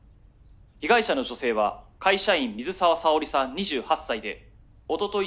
被害者の女性は会社員水沢さおりさん２８歳でおととい